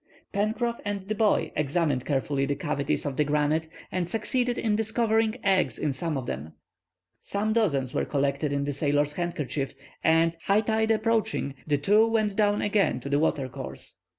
Pencroff and the boy examined carefully the cavities of the granite, and succeeded in discovering eggs in some of them. Some dozens were collected in the sailor's handkerchief, and, high tide approaching, the two went down again to the water course.